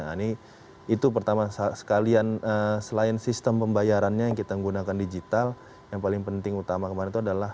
nah ini itu pertama sekalian selain sistem pembayarannya yang kita gunakan digital yang paling penting utama kemarin itu adalah